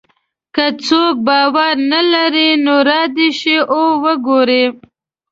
که څوک باور نه لري نو را دې شي او وګوري.